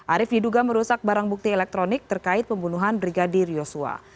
arief diduga merusak barang bukti elektronik terkait pembunuhan brigadir yosua